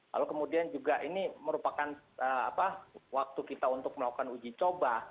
lalu kemudian juga ini merupakan waktu kita untuk melakukan uji coba